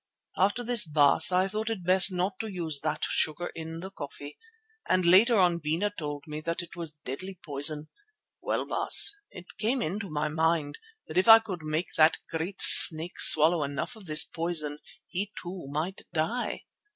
After this, Baas, I thought it best not to use that sugar in the coffee, and later on Bena told me that it was deadly poison. Well, Baas, it came into my mind that if I could make that great snake swallow enough of this poison, he, too, might die.